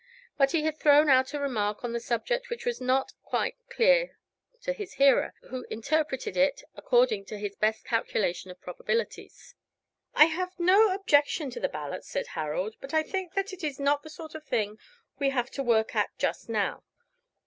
But he had thrown out a remark on the subject which was not quite clear to his hearer, who interpreted it according to his best calculation of probabilities. "I have no objection to the ballot," said Harold, "but I think that is not the sort of thing we have to work at just now.